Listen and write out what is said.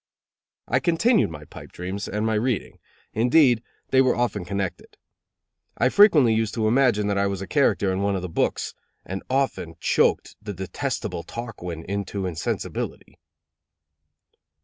I continued my pipe dreams, and my reading; indeed, they were often connected. I frequently used to imagine that I was a character in one of the books; and often choked the detestable Tarquin into insensibility.